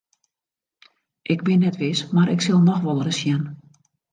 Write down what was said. Ik bin net wis mar ik sil noch wolris sjen.